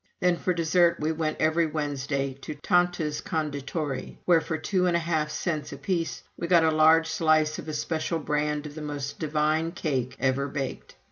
Then, for dessert, we went every Wednesday to Tante's Conditorei, where, for two and a half cents apiece, we got a large slice of a special brand of the most divine cake ever baked.